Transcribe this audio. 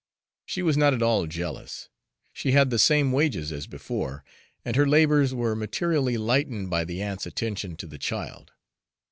She was not at all jealous. She had the same wages as before, and her labors were materially lightened by the aunt's attention to the child.